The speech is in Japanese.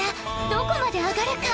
どこまで上がるか？